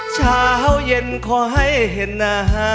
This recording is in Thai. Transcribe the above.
เช้าเย็นขอให้เห็นนะฮะ